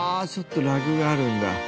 ちょっとラグがあるんだ。